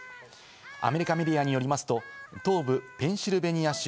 アメリカメディアによりますと、東部ペンシルベニア州